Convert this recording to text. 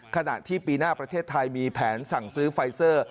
ขณะที่ปีหน้าประเทศไทยมีแผนสั่งซื้อไฟเซอร์